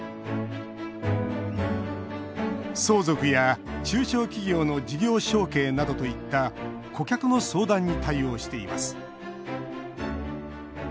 相続や、中小企業の事業承継などといった顧客の相談に対応しています。